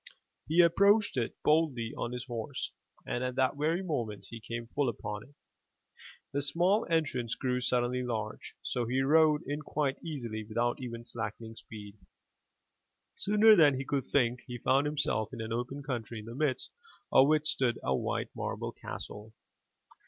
He approached it boldly on his horse and at the very moment he came full upon it, the small entrance grew suddenly large, so he rode in quite easily without even slackening speed. Sooner than he could think, he found himself in an open country in the midst of which stood a white marble castle.